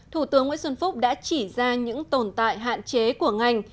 thủ tướng nguyễn xuân phúc đã chỉ ra những tồn tại hạn chế của ngành